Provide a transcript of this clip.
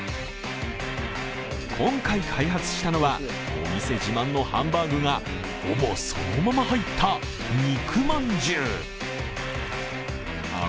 今回開発したのはお店自慢のハンバーグがほぼそのまま入った肉饅頭。